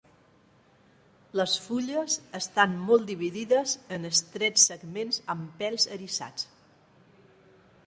Les fulles estan molt dividides en estrets segments amb pèls eriçats.